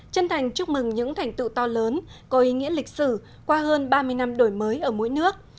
chân thành chúc mừng những thành tựu to lớn có ý nghĩa lịch sử qua hơn ba mươi năm đổi mới ở mỗi nước